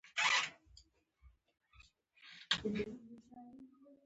ښه مدیریت د شرکت بڼې بدلوي.